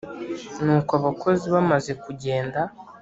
nuko abakozi bamaze kugenda